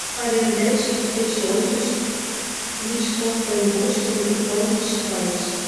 Пайрем деч ик кече ончыч Клычков ден Бочкин фронтыш кайышт.